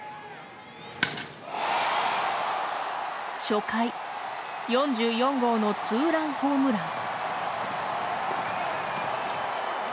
初回４４号のツーランホームラン。